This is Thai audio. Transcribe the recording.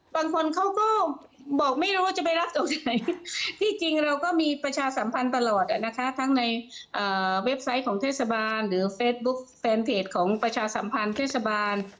บางคนเขาก็บอกไม่รู้ว่าจะไปรับตรงไหนที่จริงเราก็มีประชาสัมพันธ์ตลอดนะคะทั้งในเว็บไซต์ของเทศบาลหรือเฟซบุ๊คแฟนเพจของประชาสัมพันธ์เทศบาล